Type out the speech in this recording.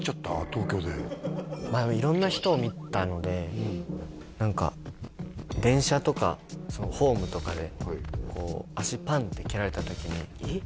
東京でまあでも色んな人を見たので何か電車とかホームとかでこう足パンって蹴られた時にえっ？